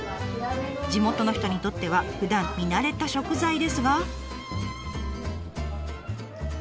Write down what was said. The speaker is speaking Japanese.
地元の人にとってはふだん見慣れた食材ですが。